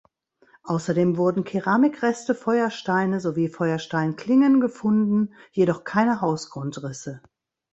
Außerdem wurden Keramikreste, Feuersteine sowie Feuersteinklingen gefunden, jedoch keine Hausgrundrisse.